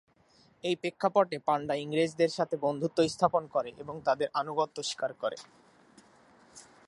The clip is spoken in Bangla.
এই প্রেক্ষাপটে পান্ডা ইংরেজদের সাথে বন্ধুত্ব স্থাপন করে এবং তাদের আনুগত্য স্বীকার করে।